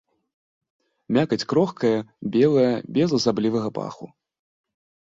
Мякаць крохкая, белая, без асаблівага паху.